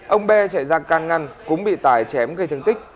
ông b chạy ra can ngăn cũng bị tài chém gây thương tích